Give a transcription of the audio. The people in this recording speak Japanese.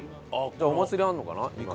じゃあお祭りあるのかな？